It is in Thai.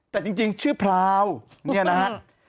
แต่จริงชื่อพราวนี่นะครับ